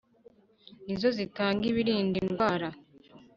ni zo zitanga ibirinda indwara.